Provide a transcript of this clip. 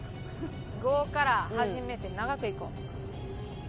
「ご」から始めて長くいこう。